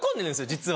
実は。